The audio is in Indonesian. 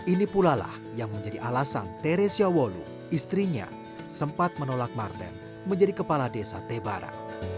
ini pula lah yang menjadi alasan teresya wolu istrinya sempat menolak marten menjadi kepala desa tebara